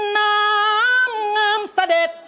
น้ำเงินสด็จ